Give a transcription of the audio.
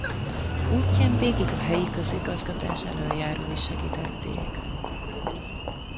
Útján végig a helyi közigazgatás elöljárói segítették.